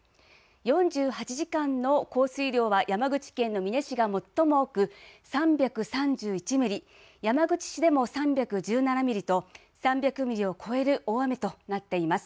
４８時間の降水量は山口県の美祢市が最も多く３３１ミリ山口市でも３１７ミリと３００ミリを超える大雨となっています。